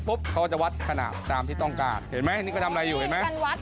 เขาจะวัดขนาดตามที่ต้องการเห็นไหมนี่ก็ทำอะไรอยู่เห็นไหม